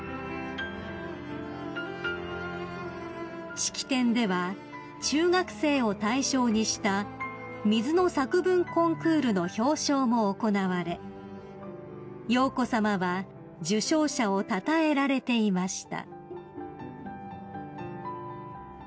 ［式典では中学生を対象にした水の作文コンクールの表彰も行われ瑶子さまは受賞者をたたえられていました］